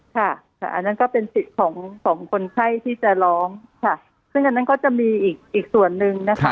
ค่ะอันนั้นก็เป็นสิทธิ์ของของคนไข้ที่จะร้องค่ะซึ่งอันนั้นก็จะมีอีกอีกส่วนหนึ่งนะคะ